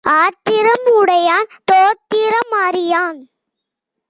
ஆத்திரம் உடையான் தோத்திரம் அறியான்.